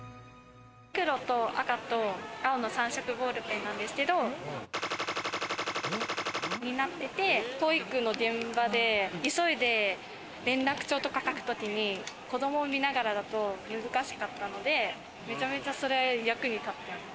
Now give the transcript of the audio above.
黒と赤と青の３色ボールペンなんですけど、になってて、保育の現場で急いで連絡帳とか書く時に子供を見ながらだと難しかったので、めちゃめちゃ、それ役に立ってます。